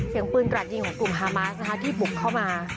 เสียงปืนกระดยิงของกลุ่มฮามาสนะคะที่บุกเข้ามา